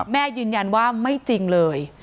ยืนยันว่าไม่จริงเลย